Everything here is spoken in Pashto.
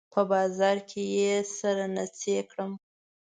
په بازار کې يې سره نيڅۍ کړم